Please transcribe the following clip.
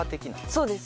そうです。